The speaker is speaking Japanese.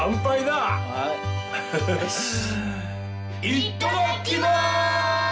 いっただっきまーす！